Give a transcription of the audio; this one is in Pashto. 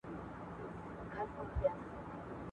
زه پرون د تکړښت لپاره وم،